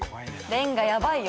レンガやばいよ。